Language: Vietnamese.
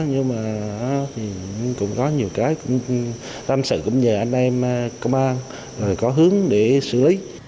đó thì cũng có nhiều cái tâm sự cũng nhờ anh em công an có hướng để xử lý